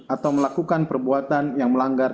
atau melakukan perbuatan yang melanggar